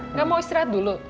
enggak mau istirahat dulu